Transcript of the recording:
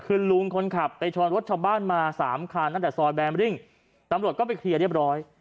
คือลุงคนขับไปชนรถชาวบ้านมาสามคันตั้งแต่ซอยแบมริ่งตำรวจก็ไปเคลียร์เรียบร้อย